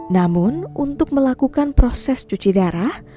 namun untuk melakukan proses cuci darah